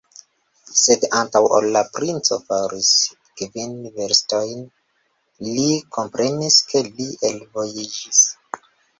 Sed antaŭ ol la princo faris kvin verstojn, li komprenis, ke li elvojiĝis.